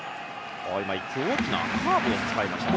今、１球大きなカーブを使いましたね。